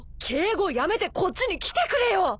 敬語やめてこっちに来てくれよ！